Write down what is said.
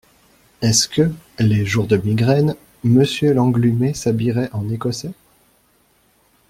Est-ce que, les jours de migraine, Monsieur Lenglumé s’habillerait en Ecossais ?…